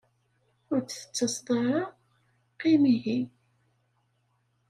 Ur d tettaseḍ ara? Qqim ihi!